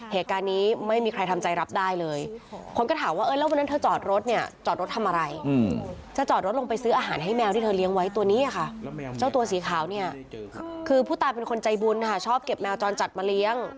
เหตุการณีไม่มีใครทำใจรับได้เลยคนก็ถามว่าเอ้ยแล้วเมื่อนั้นเธอจอดรถเนี่ย